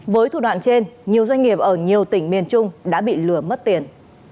với thủ đoạn trên nhiều doanh nghiệp ở nhiều tỉnh miền trung đã bị lừa mất tiền